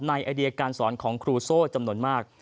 ไอเดียการสอนของครูโซ่จำนวนมาก